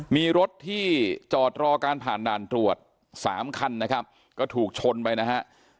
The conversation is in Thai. มีรถที่จอดรอการผ่านด่านตรวจสามคันนะครับก็ถูกชนไปนะฮะ